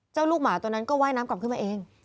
ลูกหมาตัวนั้นก็ว่ายน้ำกลับขึ้นมาเอง